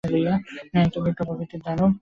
হ্যাঁ, একটা বৃক্ষ প্রকৃতির দানব।